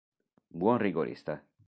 Buon rigorista.